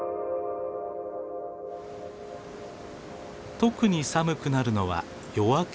特に寒くなるのは夜明け前。